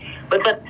vâng vâng vâng